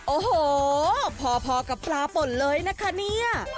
โอ้โหพอกับปลาป่นเลยนะคะเนี่ย